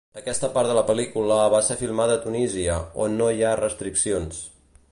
Aquesta part de la pel·lícula va ser filmada a Tunísia, on no hi ha restriccions.